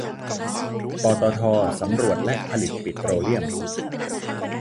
ปตท สำรวจและผลิตปิโตรเลียม